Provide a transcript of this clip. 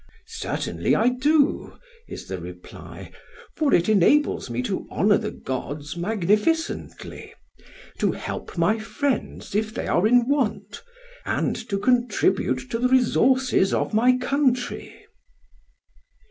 "Certainly I do," is the reply, "for it enables me to honour the gods magnificently, to help my friends if they are in want, and to contribute to the resources of my country."